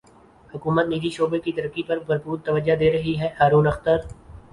حکومت نجی شعبے کی ترقی پر بھرپور توجہ دے رہی ہے ہارون اختر